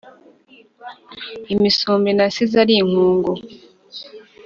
Imisumbi nasize ari inkungu